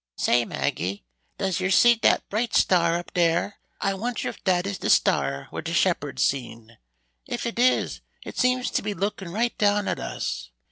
"Say, Maggie, does yer see dat bright star up dere? I wonder if dat is de star what de shepherds seen! If it is, it seems to be looking right down at us.